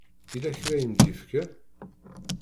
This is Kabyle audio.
Yella kra i am-d-yefka?